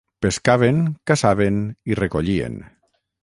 Pescaven, caçaven i recollien.